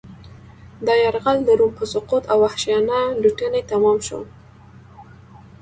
دا یرغل د روم په سقوط او وحشیانه لوټنې تمام شو